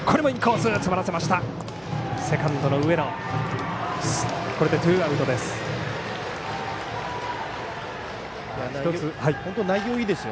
セカンドの上野がさばいてこれでツーアウトです。